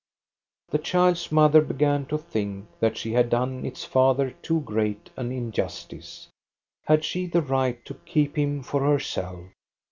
The child's mother began to think that she had done its father too great an injustice. Had she the right to keep him for herself?